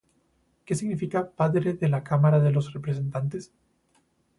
¿Qué significa “Padre” de la Cámara de los Representantes?